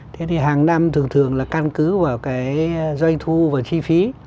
thế thì hàng năm thường thường là căn cứ vào cái doanh thu và chi phí